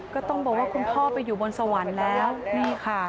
ก็ต้องบอกว่าคุณพ่อไปอยู่บนสวรรค์แล้วนี่ค่ะ